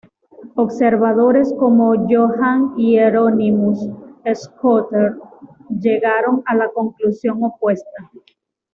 Observadores como Johann Hieronymus Schröter llegaron a la conclusión opuesta.